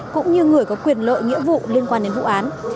cũng như người có quyền lợi nghĩa vụ liên quan đến vụ án